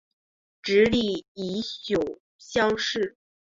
直隶乙酉乡试。